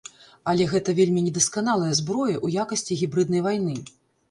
Але гэта вельмі недасканалая зброя ў якасці гібрыднай вайны.